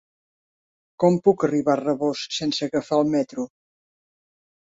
Com puc arribar a Rabós sense agafar el metro?